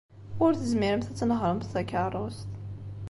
Ur tezmiremt ad tnehṛemt takeṛṛust.